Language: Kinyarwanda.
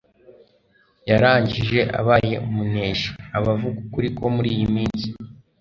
yarangije abaye Umuneshi. Abavuga ukuri ko muri iyi minsi